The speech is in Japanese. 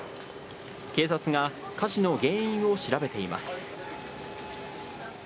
警察が火事の原因を調べています。